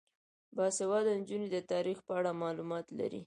باسواده نجونې د تاریخ په اړه معلومات لري.